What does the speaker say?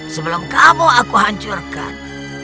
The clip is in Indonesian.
sebelum kamu aku hancurkan